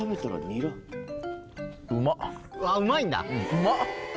うまっ！